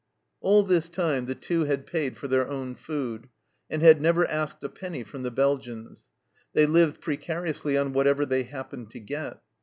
All this time the Two had paid for their own food, and had never asked a penny from the Belgians. They lived precariously on whatever they happened to get.